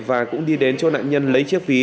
và cũng đi đến cho nạn nhân lấy chiếc phí